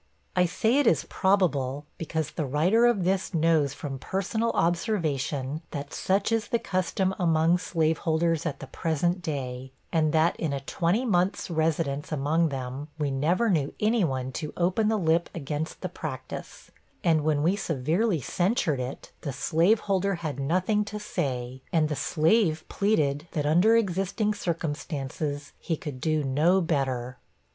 I say it is probable, because the writer of this knows from personal observation, that such is the custom among slaveholders at the present day; and that in a twenty months' residence among them, we never knew any one to open the lip against the practice; and when we severely censured it, the slaveholder had nothing to say; and the slave pleaded that, under existing circumstances, he could do no better.